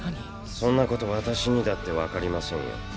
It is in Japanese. そんなこと私にだって分かりませんよ。